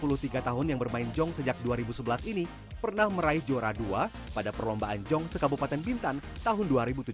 sepuluh tiga tahun yang bermain jong sejak dua ribu sebelas ini pernah meraih juara dua pada perlombaan jong sekabupaten bintan tahun dua ribu tujuh belas